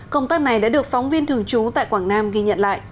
công tác này đã được phóng viên thường trú tại quảng nam ghi nhận lại